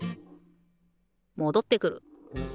もどってくる。